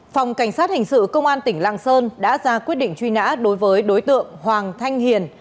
phòng cảnh sát hình sự công an tỉnh lạng sơn đã ra quyết định truy nã đối với đối tượng hoàng thanh hiền